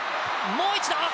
もう一度！